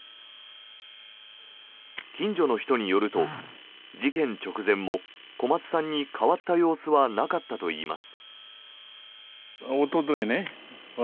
近所の人によると、事件直前も小松さんに変わった様子はなかったといいます。